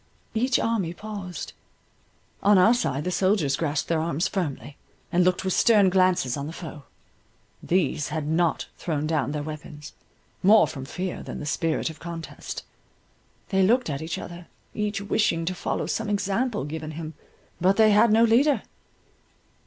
Each army paused. On our side the soldiers grasped their arms firmly, and looked with stern glances on the foe. These had not thrown down their weapons, more from fear than the spirit of contest; they looked at each other, each wishing to follow some example given him,—but they had no leader.